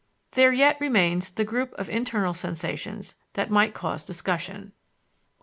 There yet remains the group of internal sensations that might cause discussion.